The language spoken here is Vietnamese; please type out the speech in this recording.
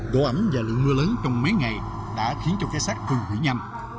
gỗ ẩm và lượng mưa lớn trong mấy ngày đã khiến cho cái sát cười hủy nhanh